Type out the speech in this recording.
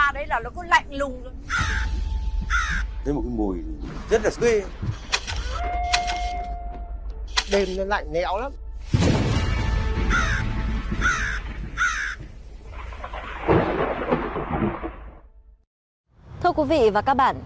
thưa quý vị và các bạn